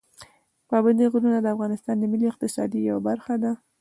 پابندي غرونه د افغانستان د ملي اقتصاد یوه برخه ده.